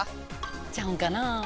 ちゃうんかな？